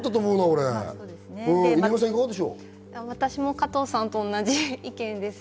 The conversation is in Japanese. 私も加藤さんと同じ意見です。